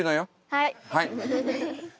はい。